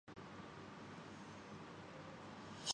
کھلاڑی رمضان میں ٹریننگ میں احتیاط سے کام لیں